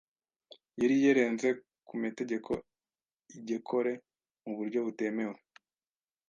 yeri yerenze ku metegeko igekore mu buryo butemewe